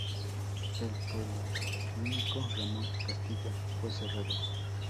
El policlínico Ramón Castilla fue cerrado.